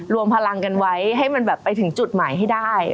รวมพลังกันไว้ให้มันแบบไปถึงจุดหมายให้ได้